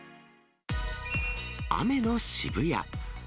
雨の渋谷。